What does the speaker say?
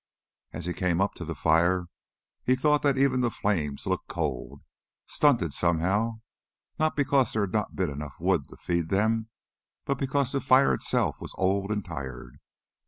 As he came up to the fire he thought that even the flames looked cold stunted somehow not because there had not been enough wood to feed them, but because the fire itself was old and tired.